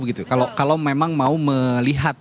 begitu kalau memang mau melihat